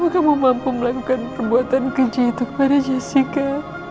kamu mampu melakukan pembuatan keji itu kepada jessica